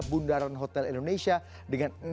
bundaran hotel indonesia dengan